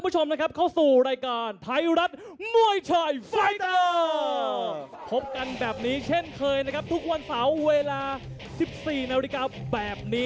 เจอที่มาเที่ยงแค่วันนี้